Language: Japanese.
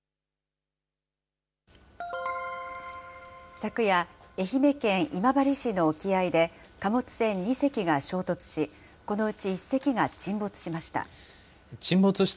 昨夜、愛媛県今治市の沖合で、貨物船２隻が衝突し、このうち１隻が沈没しました。